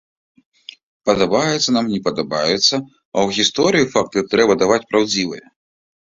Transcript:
Падабаецца нам, не падабаецца, а ў гісторыі факты трэба даваць праўдзівыя.